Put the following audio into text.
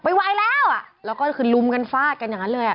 ไม่ไหวแล้วอ่ะแล้วก็คือลุมกันฟาดกันอย่างนั้นเลยอ่ะ